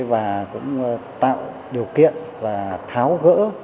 và tạo điều kiện và tháo gỡ